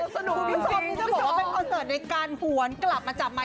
สนุกจริงจะบอกว่าเป็นคอนเสิร์ตในการหวนกลับมาจับใหม่